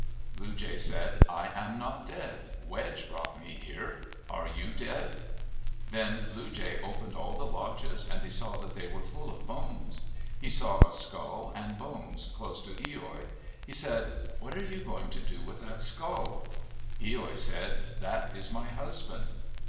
Blue Jay said, " I am not dead. Wedge brought me here. Are you dead?' 95 MYTHS AND LEGENDS Then Blue Jay opened all the lodges and he saw that they were full of bones. He saw a skull and bones close to loi. He said, " What are you going to do with that skull ?' loi said, " That is my husband."